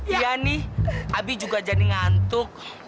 iya nih abi juga jadi ngantuk